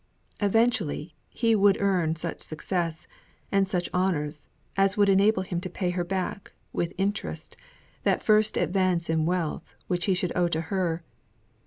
Eventually he would earn such success, and such honours, as would enable him to pay her back, with interest, that first advance in wealth which he should owe to her.